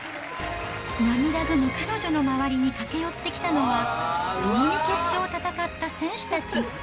涙ぐむ彼女の周りに駆け寄ってきたのは、共に決勝を戦った選手たち。